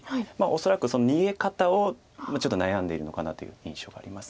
恐らく逃げ方をちょっと悩んでいるのかなという印象があります。